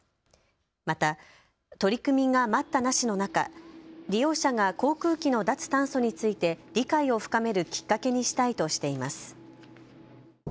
また取り組みが待ったなしの中、利用者が航空機の脱炭素について理解を深めるきっかけにしたいとしています。